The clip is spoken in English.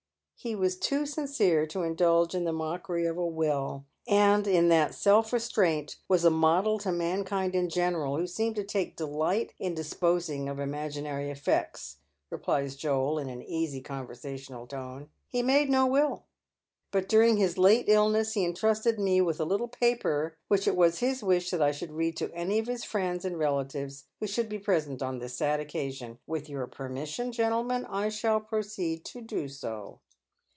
_*' He was too sincere to indulge in the mockery of a will, and, in that self restraint, was a model to mankind in general, who seem to take delight in disposing of imaginary effects," replies Joel, in an easy conversational tone. " He made no will, but during his late illness he entrusted me with a little paper which it was his wish that I should read to any of his friends and relatives who should be present on this sad occasion. With your permission, gentlemen, I stall proceed to do so."